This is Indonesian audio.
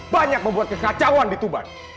banyak membuat kekacauan di tuban